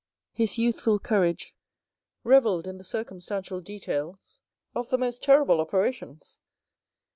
His youthful courage revelled in the circumstantial details of the most terrible operations.